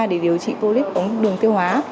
để điều trị cô lít ống đường tiêu hóa